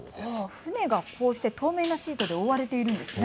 船が、こうして透明なシートで覆われているんですね。